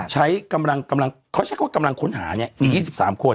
ใช้กำลังกำลังเขาใช้ว่ากำลังค้นหาเนี่ยอีก๒๓คน